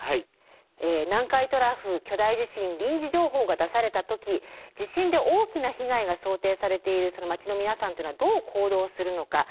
南海トラフ巨大地震臨時情報が出された時地震で大きな被害が想定されている町の皆さんというのはどう行動するのか。